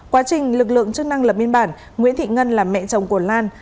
quá trình lực lượng chức năng lập biên bản nguyễn thị ngân là mẹ chồng của lan